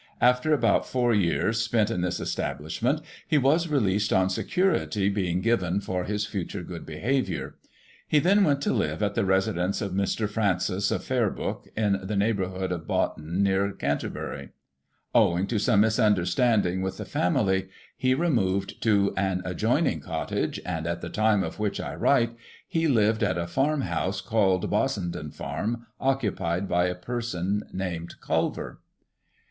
After about four years spent in this establishment, he was released, on security being given for his future good behaviour. He then went to live at the residence of Mr. Francis, of Fairbrook, in the neighbourhood of Boughton, near Canterbury. Owing to some misunder standing with the family, he removed to an adjoining cottage, and, at the time of which I write, he lived at a farm house, called Bossenden farm, occupied by a person named Culver.